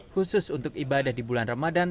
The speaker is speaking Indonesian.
khusus untuk ibadah di bulan ramadan